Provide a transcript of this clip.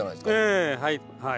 ええはいはい。